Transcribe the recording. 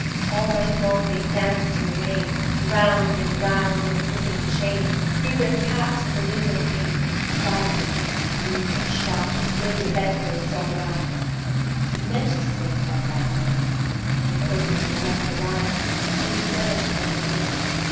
All night long they danced in the rain, Round and round in a dripping chain, Threw their caps at the window pane, Tried to make me scream and shout And fling the bedclothes all about : I meant to stay in bed that night, And if only you had left a light They would never have got me out.